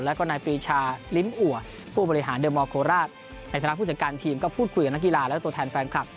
แล้วก็นายปรีชาลิ้มอัวผู้บริหารเดอร์มอลโคราชในฐานะผู้จัดการทีมก็พูดคุยกับนักกีฬาและตัวแทนแฟนคลับ